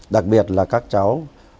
đặc biệt là các cháu